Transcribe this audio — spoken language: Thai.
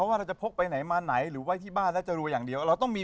คิกคิกคิกคิกคิกคิกคิกคิกคิกคิกคิกคิกคิกคิก